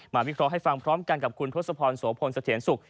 วิเคราะห์ให้ฟังพร้อมกันกับคุณทศพรโสพลสะเทียนสุข